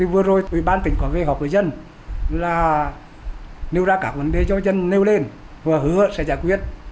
vừa rồi ubnd có gây họp với dân là nêu ra các vấn đề cho dân nêu lên và hứa sẽ giải quyết